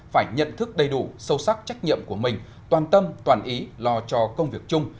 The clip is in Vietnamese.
phải nhận thức đầy đủ sâu sắc trách nhiệm của mình toàn tâm toàn ý lo cho công việc chung